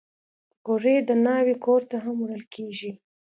پکورې د ناوې کور ته هم وړل کېږي